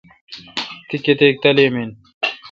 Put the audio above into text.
تی کتیک تعلیم این؟